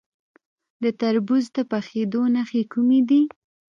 د تربوز د پخیدو نښې کومې دي؟